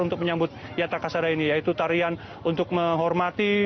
untuk menyambut yata kasada ini yaitu tarian untuk menghormati